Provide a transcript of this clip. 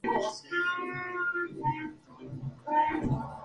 Esto se realiza de forma corriente.